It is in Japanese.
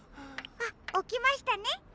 あっおきましたね。